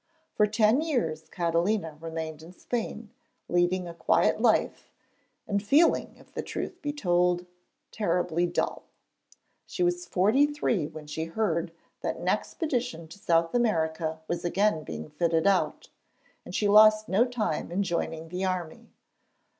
For ten years Catalina remained in Spain, leading a quiet life, and feeling, if the truth be told, terribly dull. She was forty three when she heard that an expedition to South America was again being fitted out, and she lost no time in joining the army.